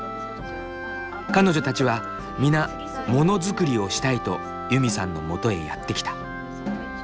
彼女たちは皆ものづくりをしたいとユミさんのもとへやって来た。